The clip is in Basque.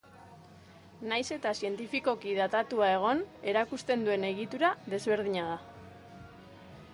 Nahiz eta zientifikoki datatua egon, erakusten duen egitura desberdina da.